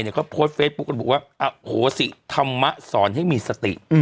เขาโพสต์เฟซบุ๊คกันบอกว่าอโหสิธรรมะสอนให้มีสติ